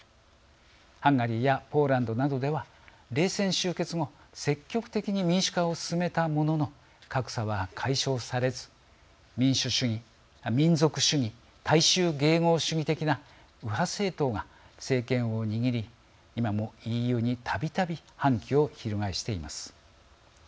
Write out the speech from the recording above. ハンガリーやポーランドなどでは冷戦終結後積極的に民主化を進めたものの格差は解消されず民族主義、大衆迎合主義的な右派政党が政権を握り今もＥＵにたびたび反旗を翻しています。